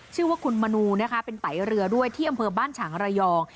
ชื่อว่าคุณมนูนะคะเป็นไตเรือด้วยที่อำเภอบ้านฉางระยอง